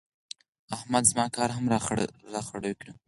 احمد زما کار هم را خرېړی کړ.